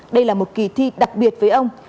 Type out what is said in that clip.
đây là một kỳ thi đặc biệt với ông